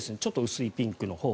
薄いピンクのほう。